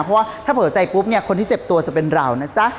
เพราะว่าถ้าเผลอใจปุ๊บเนี่ยคนที่เจ็บตัวจะเป็นเรานะจ๊ะ